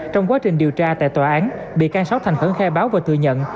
trong quá trình điều tra tại tòa án bị can sóc thành khẩn khe báo và thừa nhận